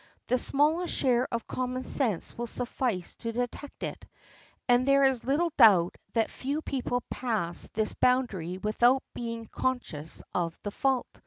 The smallest share of common sense will suffice to detect it, and there is little doubt that few people pass this boundary without being conscious of the fault.